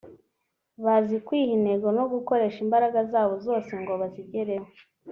bazi kwiha intego no gukoresha imbaraga zabo zose ngo bazigereho